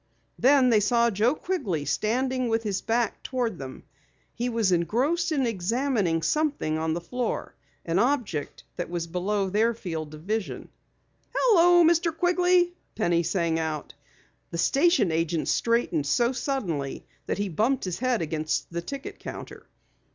Then they saw Joe Quigley standing with his back toward them. He was engrossed in examining something on the floor, an object that was below their field of vision. "Hello, Mr. Quigley!" Penny sang out. The station agent straightened so suddenly that he bumped his head against the ticket counter.